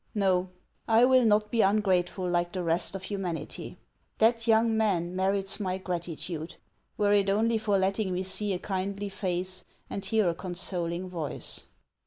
Xo ; I will not be un grateful, like the rest of humanity. That young man merits my gratitude, were it only for letting me see a kindly face and hear a consoling voice."